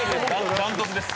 断トツです。